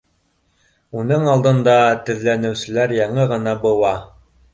Уның алдында теҙләнеүселәр яңы ғына быуа